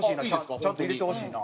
ちゃんと入れてほしいな。